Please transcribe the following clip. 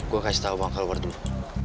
gue kasih tau bang kalau berdua